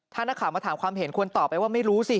ถ้านักข่าวมาถามความเห็นควรตอบไปว่าไม่รู้สิ